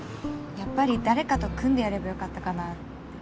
やっぱり誰かと組んでやればよかったかなって。